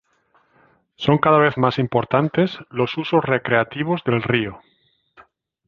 Son cada vez más importantes los usos recreativos del río.